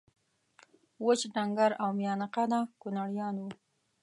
وچ ډنګر او میانه قده کونړیان وو